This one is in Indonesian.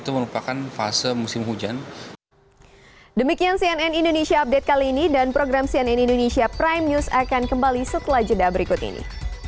demikian cnn indonesia update kali ini dan program cnn indonesia prime news akan kembali setelah jeda berikut ini